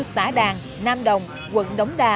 xã đàn nam đồng quận đống đa